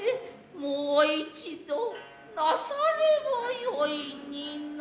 もう一度なさればよいになあ。